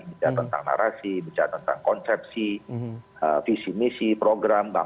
bicara tentang narasi bicara tentang konsepsi visi misi program dan lain lain